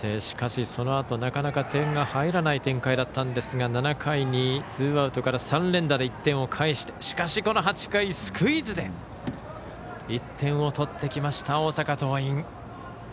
しかし、そのあとなかなか点が入らない展開だったんですが７回にツーアウトから３連打で１点を返してしかし、この８回スクイズで１点を取ってきました、大阪桐蔭。